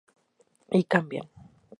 Y cambian.